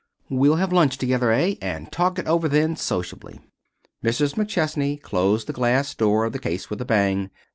"We'll have lunch together, eh? And talk it over then sociably." Mrs. McChesney closed the glass door of the case with a bang.